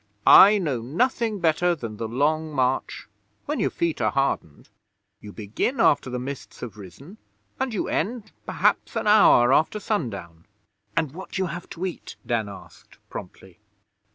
I know nothing better than the Long March when your feet are hardened. You begin after the mists have risen, and you end, perhaps, an hour after sundown.' 'And what do you have to eat?' Dan asked promptly.